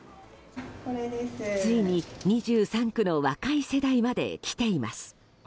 ついに２３区の若い世代まで来ています。